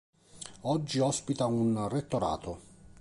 Oggi ospita un Rettorato.